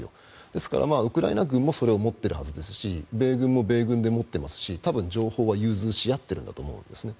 ですから、ウクライナ軍もそれを持っているはずですし米軍も米軍で持っていますし多分情報は融通し合っていると思うんですね。